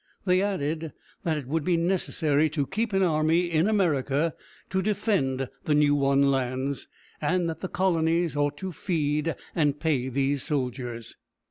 They added that it would be necessary to keep an army in America to defend the new won lands, and that the colonies ought to feed and pay these soldiers.